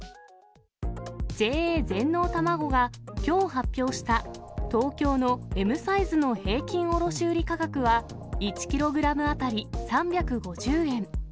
ＪＡ全農たまごがきょう発表した東京のＭサイズの平均卸売価格は、１キログラム当たり３５０円。